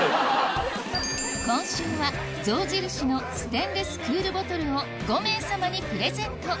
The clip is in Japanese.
今週は象印のステンレスクールボトルを５名様にプレゼント